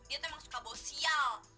dia tuh emang suka bau sial